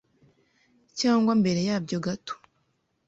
cyangwa mbere yabyo gato